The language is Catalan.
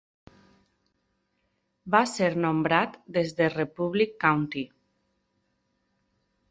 Va ser nombrat des de Republic County.